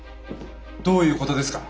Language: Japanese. どういうことですか？